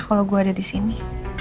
kalo gue ada disini